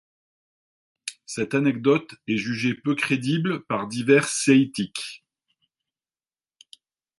Cette anecdote est jugée peu crédible par divers ceitiques.